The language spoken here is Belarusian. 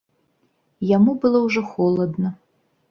Яму было ўжо холадна.